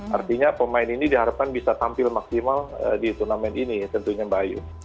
artinya pemain ini diharapkan bisa tampil maksimal di turnamen ini tentunya mbak ayu